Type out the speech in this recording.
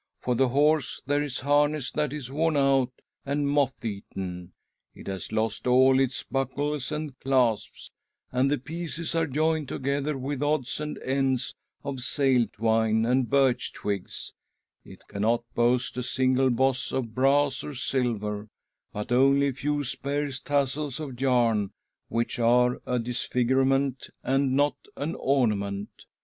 : For the horse there is harness that is worn out and moth eaten, it has lost all its buckles and clasps, and the mmmmi I L ■...■■■■:'■• r :'=) THE BIRTH OF A NEW YEAR 29 pieces are joined together with odds and ends of sail twine and birch twigs. It cannot boast a single boss of brass or silver, but only a few sparse tassels of yarn, which are a disfigurement and not an ornament.